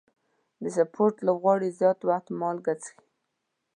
د سپورټ لوبغاړي زیات وخت مالګه څښي.